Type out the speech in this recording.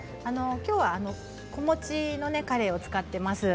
きょうは子持ちのカレイを使っています。